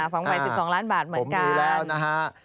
๒ใบ๑๒ล้านบาทเหมือนกัน